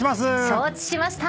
承知しました。